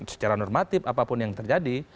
secara normatif apapun yang terjadi